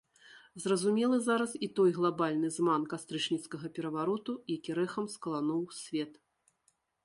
Зразумелы зараз і той глабальны зман кастрычніцкага перавароту, які рэхам скалануў свет.